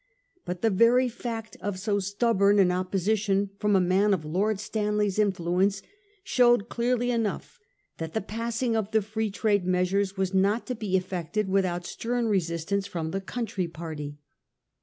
But the very fact of so stubborn an opposition from a man of Lord Stan ley's influence showed clearly enough that the pass ing of Pree Trade measures was not to be effected without stem resistance from the country parly.